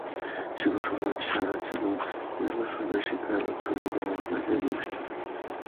শিক্ষকসমাজ সারা জীবন নিরলসভাবে শিক্ষার আলো ছড়িয়ে দেওয়ার কাজে নিবিষ্ট থাকেন।